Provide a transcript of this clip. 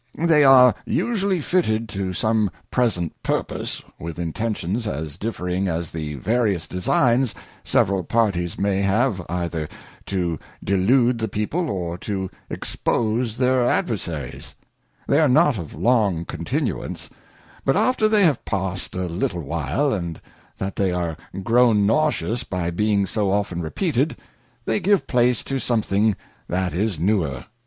They are usually fitted to some present purpose^ with intentions as differing as the various designs several parties may have, either to delude the People, or to expose their Adversaries : They are not of long continuance, but after they have passed a little while, and that they are grown nauseous by being so often repeated, they give place to something that is newer.